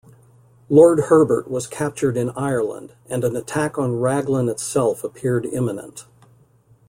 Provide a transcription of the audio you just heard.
Lord Herbert was captured in Ireland, and an attack on Raglan itself appeared imminent.